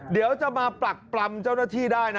เดี๋ยวจะมาปรักปรำเจ้าหน้าที่ได้นะ